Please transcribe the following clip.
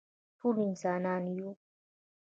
ټول انسانان یو